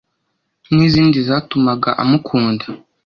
n’izindi zatumaga amukunda,